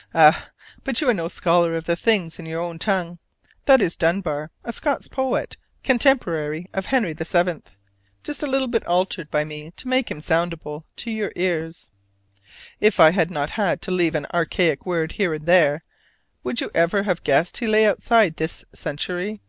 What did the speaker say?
'" Ah, but you are no scholar of the things in your own tongue! That is Dunbar, a Scots poet contemporary of Henry VII., just a little bit altered by me to make him soundable to your ears. If I had not had to leave an archaic word here and there, would you ever have guessed he lay outside this century?